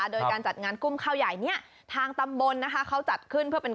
โดยการจัดงานกุ้มข้าวใหญ่นี่ทางตำบลเขาจัดขึ้น